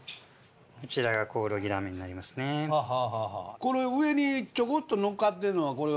これ上にちょこっと載っかってんのはこれは？